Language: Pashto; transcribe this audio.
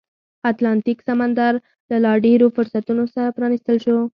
اتلانتیک سمندر له لا ډېرو فرصتونو سره پرانیستل شو.